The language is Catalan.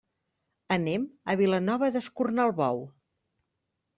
Anem a Vilanova d'Escornalbou.